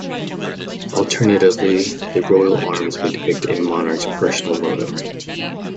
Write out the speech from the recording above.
Alternatively, the Royal Arms may depict a monarch's personal motto.